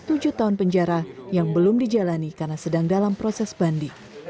tujuh tahun penjara yang belum dijalani karena sedang dalam proses banding